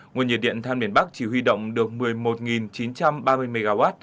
nguồn nhiệt điện than miền bắc chỉ huy động được một mươi một chín trăm ba mươi mw